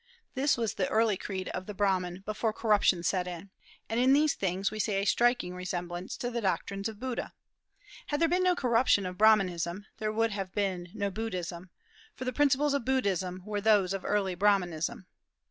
This was the early creed of the Brahman before corruption set in. And in these things we see a striking resemblance to the doctrines of Buddha. Had there been no corruption of Brahmanism, there would have been no Buddhism; for the principles of Buddhism, were those of early Brahmanism.